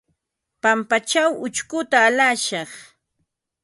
Pampaćhaw ućhkuta alashaq.